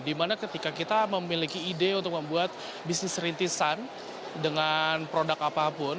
dimana ketika kita memiliki ide untuk membuat bisnis rintisan dengan produk apapun